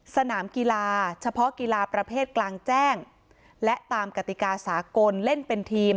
สนามกีฬาเฉพาะกีฬาประเภทกลางแจ้งและตามกติกาสากลเล่นเป็นทีม